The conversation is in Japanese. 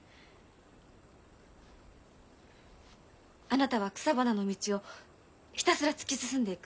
あなたは草花の道をひたすら突き進んでいく。